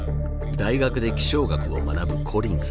大学で気象学を学ぶコリンさん。